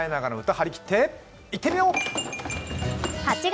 張り切っていってみよう！